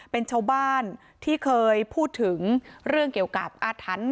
เป็นชาวบ้านที่เคยพูดถึงเรื่องเกี่ยวกับอาถรรพ์